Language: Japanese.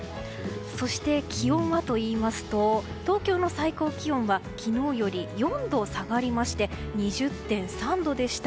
そして気温はと言いますと東京の最高気温は昨日より４度下がりまして２０．３度でした。